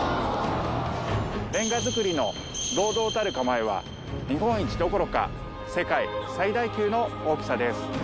レンガ造りの堂々たる構えは日本一どころか世界最大級の大きさです。